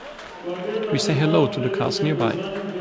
We say hello to the cars nearby.